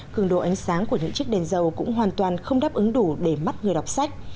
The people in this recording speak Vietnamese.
cường độ ánh sáng của những chiếc đèn dầu cũng hoàn toàn không đáp ứng đủ để mắt người đọc sách